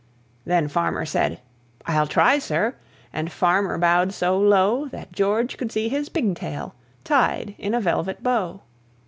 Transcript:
Then Farmer said, "I'll try, sir," and Farmer bowed so low That George could see his pigtail tied in a velvet bow.